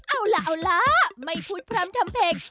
เอาล่ะไม่พูดพร้ำทำเพก